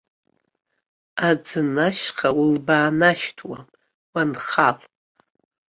Аӡын ашьха улбаанашьҭуам уанхал.